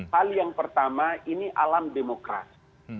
hal yang pertama ini alam demokrasi